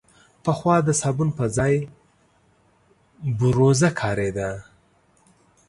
پخوا د صابون پر ځای بوروزه کارېده.